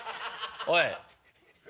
おい。